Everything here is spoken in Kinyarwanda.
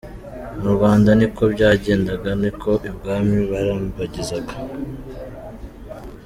N’i Rwanda ni ko byagendaga, ni ko ibwami barambagizaga.